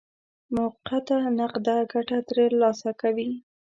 موقته نقده ګټه ترلاسه کوي.